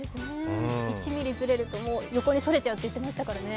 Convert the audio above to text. １ｍｍずれると横にそれちゃうって言ってましたからね。